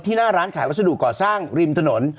หน้าร้านขายวัสดุก่อสร้างริมถนน